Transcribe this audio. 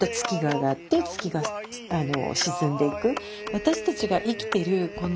私たちが生きてるこの